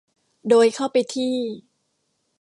โดยเข้าไปที่